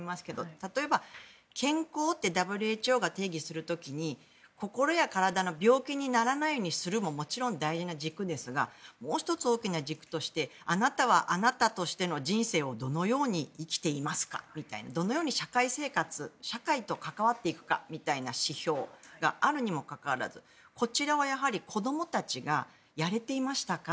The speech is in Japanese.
例えば健康ってＷＨＯが提議する時に心や体の病気にならないようにするももちろん大事な軸ですがもう１つ大きな軸としてあなたは、あなたとしての人生をどのように生きていますかみたいなどのように社会生活社会と関わっていくかみたいな指標があるにもかかわらずこちらはやはり、子どもたちがやれていましたか？